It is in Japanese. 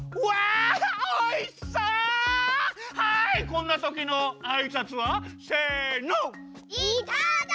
こんなときのあいさつは？せの！